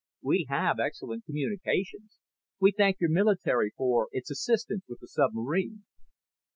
"We have excellent communications. We thank your military for its assistance with the submarine."